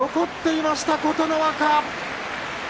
残っていました琴ノ若。